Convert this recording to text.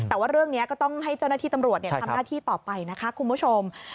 แต่ว่าเรื่องนี้ก็ต้องให้เจ้าหน้าที่ตำรวจทำหน้าที่ต่อไปนะคะคุณผู้ชม